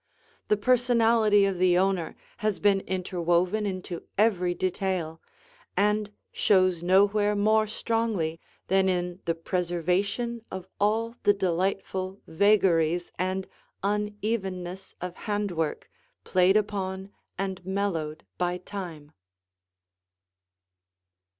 The personality of the owner has been interwoven into every detail, and shows nowhere more strongly than in the preservation of all the delightful vagaries and unevenness of hand work played upon and mellowed by time.